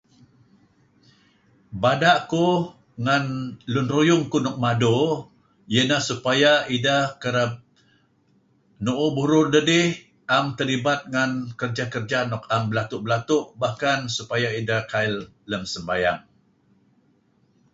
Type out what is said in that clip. Bada' kuh ngen lun ruyung kuh nuk mado iyeh ineh supaya ideh kereb nuuh burur dedih am terlibat ngen kerja-kerja am belatu'-balatu'.Bahkan supaya ideh kail lem sembayang.